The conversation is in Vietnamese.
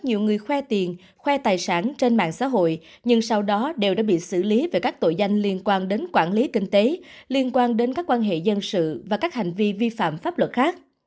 nhiều người khoe tiền khoe tài sản trên mạng xã hội nhưng sau đó đều đã bị xử lý về các tội danh liên quan đến quản lý kinh tế liên quan đến các quan hệ dân sự và các hành vi vi phạm pháp luật khác